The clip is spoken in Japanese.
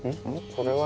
これは。